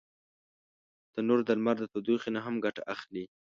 تنور د لمر د تودوخي نه هم ګټه اخلي